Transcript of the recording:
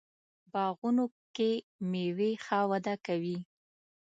باغونو کې میوې ښه وده کوي.